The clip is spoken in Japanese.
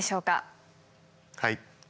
はい。